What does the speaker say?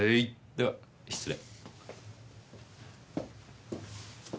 では失礼。